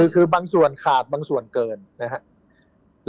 คือบางส่วนขาดบางส่วนเกินนะครับ